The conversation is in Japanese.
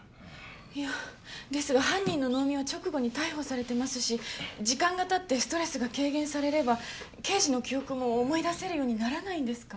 いやですが犯人の能見は直後に逮捕されてますし時間が経ってストレスが軽減されれば刑事の記憶も思い出せるようにならないんですか？